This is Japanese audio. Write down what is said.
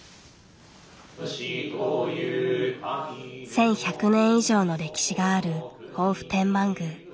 １，１００年以上の歴史がある防府天満宮。